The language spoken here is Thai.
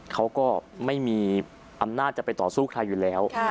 เขาก็ไม่มีอำนาจจะไปต่อสู้ใครอยู่แล้ว